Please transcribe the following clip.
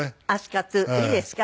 いいですか？